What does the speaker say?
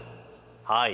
はい。